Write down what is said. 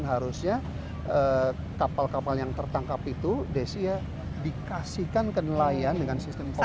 harusnya kapal kapal yang tertangkap itu desi ya dikasihkan ke nelayan dengan sistem informasi